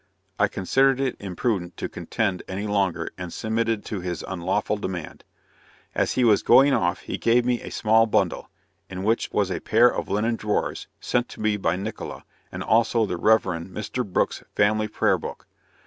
I considered it imprudent to contend any longer, and submitted to his unlawful demand. As he was going off, he gave me a small bundle, in which was a pair of linen drawers, sent to me by Nickola, and also the Rev. Mr. Brooks' "Family Prayer Book."